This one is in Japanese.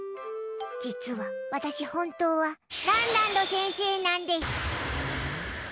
実は、私本当はランランド先生なんです。